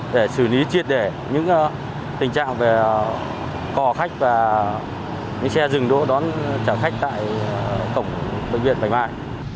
để xử lý triệt để những tình trạng về cò khách và những xe dừng đỗ đón trả khách tại cổng bệnh viện bạch mai